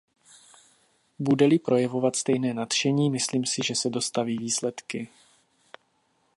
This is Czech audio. Bude-li projevovat stejné nadšení, myslím si, že se dostaví výsledky.